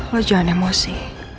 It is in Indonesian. lo jangan emosi